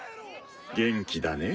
元気だねぇ。